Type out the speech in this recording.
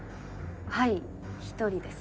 はい１人です。